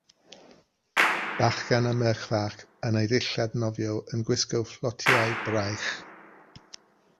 Bachgen a merch fach yn eu dillad nofio yn gwisgo fflotiau braich.